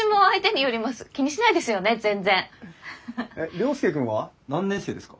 涼介くんは何年生ですか？